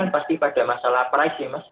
pasti pada masalah price ya mas